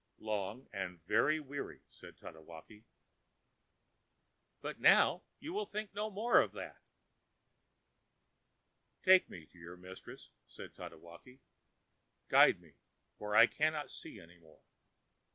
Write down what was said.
ã ãLong and very weary,ã said Tatewaki. ãBut now you will think no more of that....ã ãTake me to your mistress,ã said Tatewaki. ãGuide me, for I cannot see any more.